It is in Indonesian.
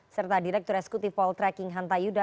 serta direktur eksekutif poltreking hanta yuda